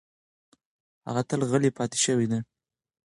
هغه تل غلې پاتې شوې ده.